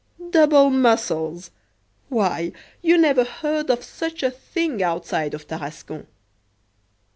"Double muscles!" why, you never heard of such a thing outside of Tarascon!